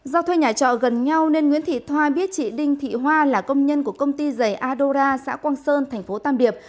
do thuê nhà trọ gần nhau nên nguyễn thị thoa biết chị đinh thị hoa là công nhân của công ty giày adora xã quang sơn tp tam điệp